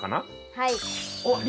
はい。